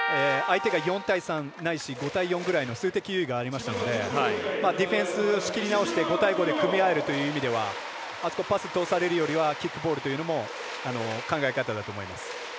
相手が４対３ないし５対４ぐらいの数的優位がありましたのでディフェンスを仕切り直して５対５で組み合えるという意味ではあそこパス通されるよりはキックボールというのも考え方だと思います。